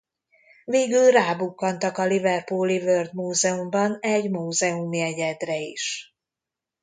Végül rábukkantak a liverpooli World Museum-ban egy múzeumi egyedre is.